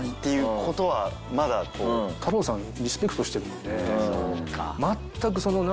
太郎さんリスペクトしてるので。